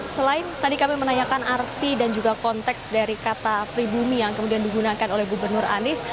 selain tadi kami menanyakan arti dan juga konteks dari kata pribumi yang kemudian digunakan oleh gubernur anies